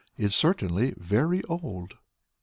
"It's certainly very old."